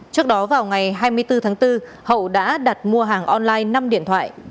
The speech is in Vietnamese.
trước đó vào ngày hai mươi bốn tháng bốn hậu đã đặt mua hàng online năm điện thoại